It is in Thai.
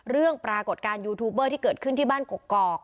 ปรากฏการณ์ยูทูบเบอร์ที่เกิดขึ้นที่บ้านกกอก